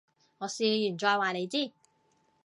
我試完再話你知